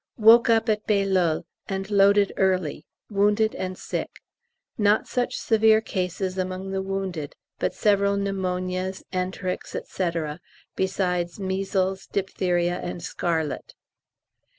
Woke up at Bailleul, and loaded early wounded and sick. Not such severe cases among the wounded, but several pneumonias, enterics, &c., besides measles, diphtheria, and scarlet.